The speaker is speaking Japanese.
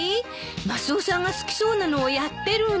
マスオさんが好きそうなのをやってるの。